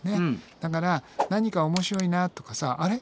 だから何か面白いなとかさあれ？